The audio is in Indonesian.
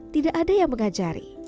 tidak ada yang mengajari